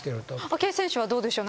明愛選手はどうでしょう。